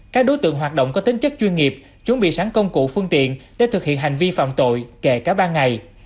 các đối tượng hoạt động có tính chất chuyên nghiệp chuẩn bị sáng công cụ phương tiện để thực hiện hành vi phạm tội kể cả ba ngày